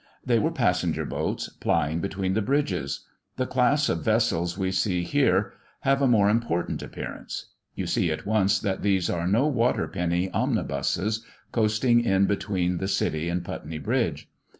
They were passenger boats, plying between the bridges. The class of vessels we see here have a more important appearance. You see at once that these are no water penny omnibuses, coasting it between the City and Putney Bridge.